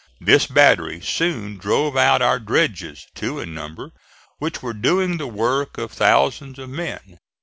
This battery soon drove out our dredges, two in number, which were doing the work of thousands of men.